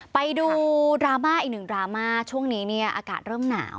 ไปดูดราม่าอีกหนึ่งดราม่าช่วงนี้เนี่ยอากาศเริ่มหนาว